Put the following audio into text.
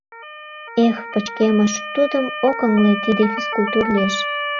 Эх, пычкемыш, тудым ок ыҥле: тиде — физкультур лиеш.